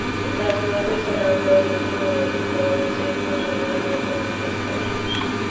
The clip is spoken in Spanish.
La ciudad de Zara fue el último reducto donde se concentraron los dálmatas italianos.